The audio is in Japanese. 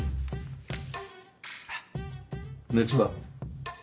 熱は？